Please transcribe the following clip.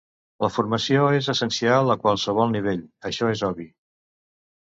La formació és essencial, a qualsevol nivell, això és obvi.